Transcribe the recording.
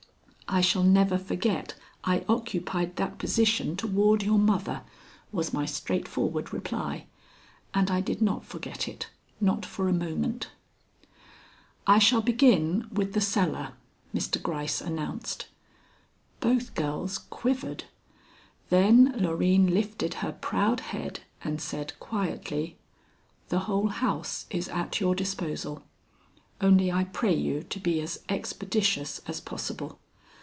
"I shall never forget I occupied that position toward your mother," was my straightforward reply, and I did not forget it, not for a moment. "I shall begin with the cellar," Mr. Gryce announced. Both girls quivered. Then Loreen lifted her proud head and said quietly: "The whole house is at your disposal. Only I pray you to be as expeditious as possible.